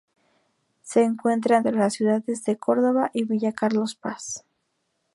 Se encuentra entre las ciudades de Córdoba y Villa Carlos Paz.